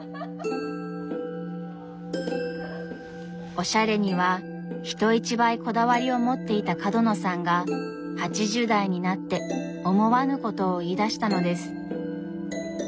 おしゃれには人一倍こだわりを持っていた角野さんが８０代になって思わぬことを言いだしたのです。